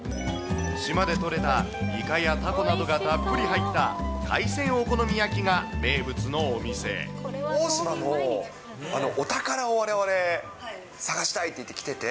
島で取れたイカやタコなどがたっぷり入った海鮮お好み焼きが名物大島のお宝をわれわれ、探したいといって来てて。